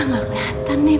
gak keliatan nih